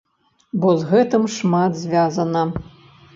Бо з гэтым шмат звязана.